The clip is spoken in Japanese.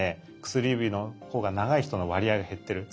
薬指のほうが長い人の割合が減ってる。